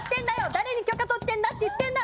誰に許可取ってんだって言ってんだ！